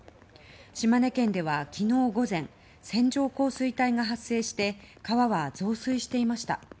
島根県では昨日午前線状降水帯が発生して川は増水していました。